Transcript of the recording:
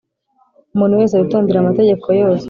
Umuntu wese witondera amategeko yose